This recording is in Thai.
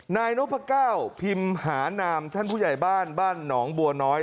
นายนพก้าวพิมพ์หานามท่านผู้ใหญ่บ้านบ้านหนองบัวน้อย